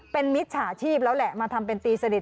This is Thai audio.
เป็นมิจฉาชีพแล้วแหละมาทำเป็นตีสนิท